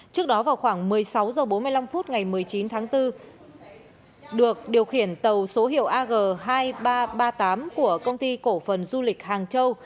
trước đó vào khoảng một mươi sáu h bốn mươi năm phút ngày một mươi chín tháng bốn được điều khiển tàu số hiệu ag hai nghìn ba trăm ba mươi tám của công ty cổ phần du lịch hàng châu